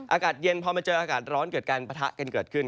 อากาศเย็นพอมาเจออากาศร้อนเกิดการปะทะกันเกิดขึ้น